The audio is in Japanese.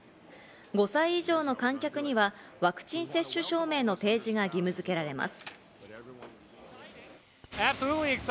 ５歳以上の観客にはワクチン接種証明の提示が義務付けられます。